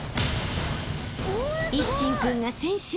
［一心君が先取］